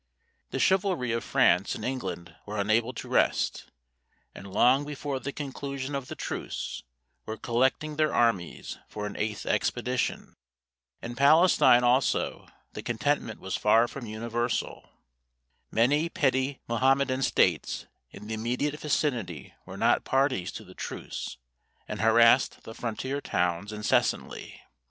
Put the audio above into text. The chivalry of France and England were unable to rest, and long before the conclusion of the truce, were collecting their armies for an eighth expedition. In Palestine also the contentment was far from universal. Many petty Mahomedan states in the immediate vicinity were not parties to the truce, and harassed the frontier towns incessantly.